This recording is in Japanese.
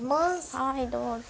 はいどうぞ。